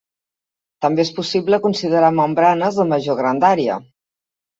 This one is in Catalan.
També és possible considerar membranes de major grandària.